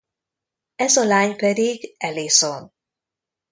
Ez a lány pedig Allison.